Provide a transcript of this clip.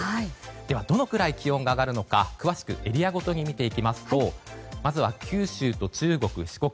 ではどのくらい気温が上がるのか詳しくエリアごとに見ていきますとまずは九州と中国・四国。